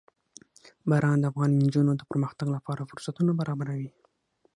باران د افغان نجونو د پرمختګ لپاره فرصتونه برابروي.